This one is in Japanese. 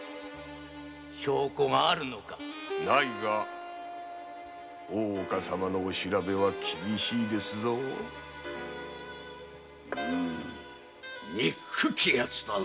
証拠があるのかないが大岡様のお調べは厳しいうむにっくきヤツ。